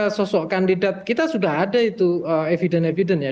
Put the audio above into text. ketika sosok kandidat kita sudah ada itu evident evident ya